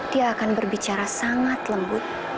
dia akan berbicara sangat lembut